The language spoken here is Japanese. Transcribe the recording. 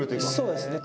そうですね。